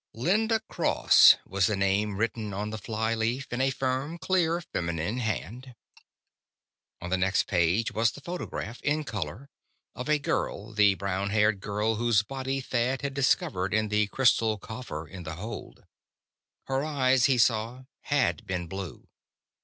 Linda Cross was the name written on the fly leaf, in a firm, clear feminine hand. On the next page was the photograph, in color, of a girl, the brown haired girl whose body Thad had discovered in the crystal coffer in the hold. Her eyes, he saw, had been blue.